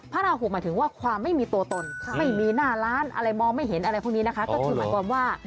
ราหูหมายถึงว่าความไม่มีตัวตนไม่มีหน้าร้านอะไรมองไม่เห็นอะไรพวกนี้นะคะก็คือหมายความว่า